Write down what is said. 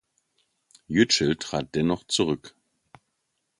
Yücel trat dennoch zurück.